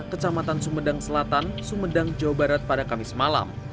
kecamatan sumedang selatan sumedang jawa barat pada kamis malam